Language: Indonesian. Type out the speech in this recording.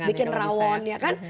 bikin rawon ya kan